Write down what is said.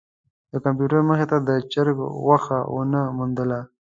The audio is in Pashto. د کمپیوټر مخې ته د چرک غوښه ونه موندله.